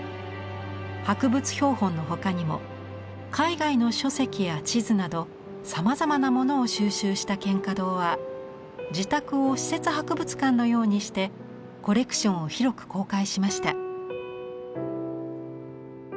博物標本の他にも海外の書籍や地図などさまざまなものを収集した蒹葭堂は自宅を私設博物館のようにしてコレクションを広く公開しました。